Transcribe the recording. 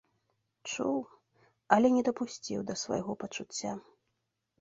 Чуў, але не дапусціў да свайго пачуцця.